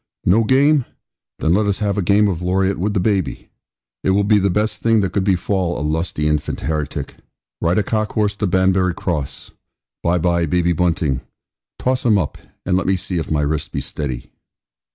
'No game! Then let us have a game of loriot with the baby! It will be the best thing that could befall a lusty infant heretic. Ride a cock horse to Banbury Cross. Bye, bye, baby Bunting; toss him up, and let me see if my wrist be steady.'